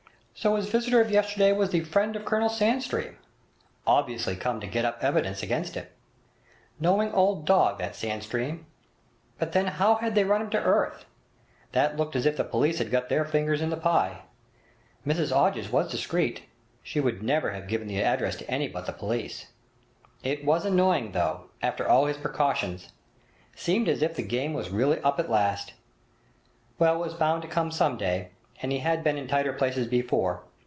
So his visitor of yesterday was the friend of Colonel Sandstream! Obviously come to get up evidence against him. Knowing old dog, that Sandstream! But then how had they run him to earth? That looked as if the police had got their fingers in the pie. Mrs Hodges was discreet. She would never have given the address to any but the police. It was annoying, though, after all his precautions; seemed as if the game was really up at last. Well, it was bound to come some day, and he had been in tighter places before.